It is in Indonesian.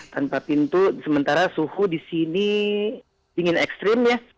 tanpa pintu sementara suhu di sini dingin ekstrim ya